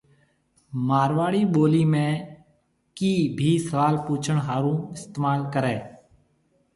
مارواڙي ٻولِي ۾ ”ڪِي“ ڀِي سوال پُڇڻ هارون استمعال ڪريَ۔